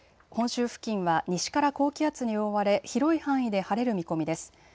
本州付近は西から高気圧に覆われ広い範囲で晴れる見込みです。